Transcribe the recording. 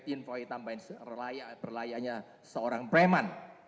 info tambahin layaknya seorang breman